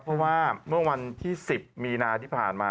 เพราะว่าเมื่อวันที่๑๐มีนาที่ผ่านมา